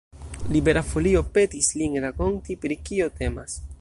Libera Folio petis lin rakonti, pri kio temas.